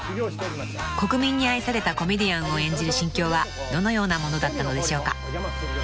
［国民に愛されたコメディアンを演じる心境はどのようなものだったのでしょうか］